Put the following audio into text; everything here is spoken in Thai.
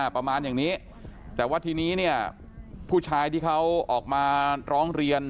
ประมาณอย่างนี้แต่ว่าทีนี้เนี่ยผู้ชายที่เขาออกมาร้องเรียน